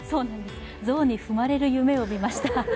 象に踏まれる夢を見ました。